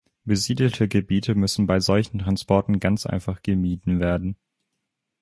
Besiedelte Gebiete müssen bei solchen Transporten ganz einfach gemieden werden.